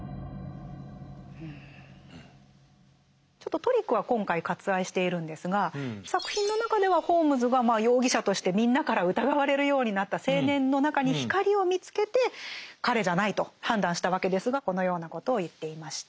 ちょっとトリックは今回割愛しているんですが作品の中ではホームズが容疑者としてみんなから疑われるようになった青年の中に光を見つけて彼じゃないと判断したわけですがこのようなことを言っていました。